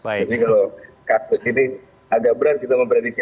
jadi kalau kasus ini agak berat kita memprediksi